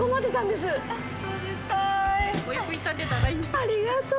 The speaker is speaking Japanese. ありがとう。